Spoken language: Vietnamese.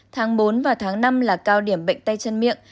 tháng bốn và tháng năm là cao điểm bệnh tay chân miệng